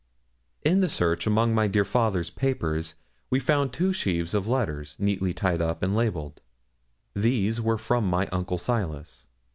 In the search among my dear father's papers we found two sheafs of letters, neatly tied up and labelled these were from my uncle Silas.